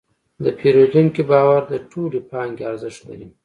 د پیرودونکي باور د ټولې پانګې ارزښت لري.